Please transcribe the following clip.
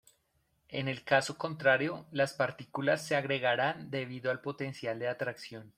En el caso contrario, las partículas se agregarán debido al potencial de atracción.